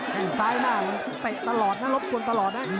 แค่งซ้ายหน้ามันเตะตลอดนะรบกวนตลอดนะ